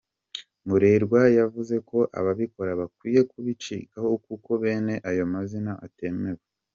Murerwa yavuze ko ababikora bakwiye kubicikaho kuko bene ayo mazina atemewe.